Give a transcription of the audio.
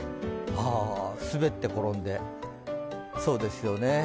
滑って転んでそうですよね。